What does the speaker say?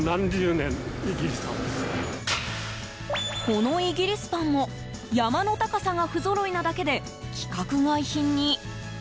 このイギリスパンも山の高さが不ぞろいなだけで規格外品に。